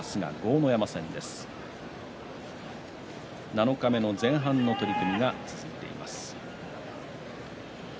七日目の前半の取組が続いています。